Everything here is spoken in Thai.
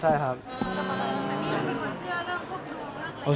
ใช่ครับ